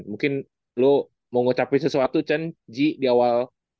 mungkin lo mau ngucapin sesuatu chan ji di awal